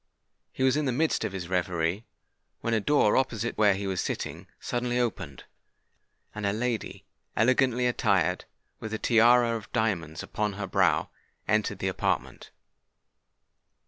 He was in the midst of his reverie, when a door opposite to where he was sitting, suddenly opened; and a lady, elegantly attired, with a tiara of diamonds upon her brow, entered the apartment.